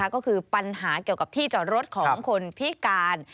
ก็คือปัญหาเกี่ยวกับที่จอดรถของคนพิการ